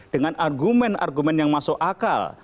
dengan argumen argumen yang masuk akal